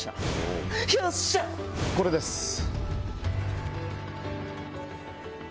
これです。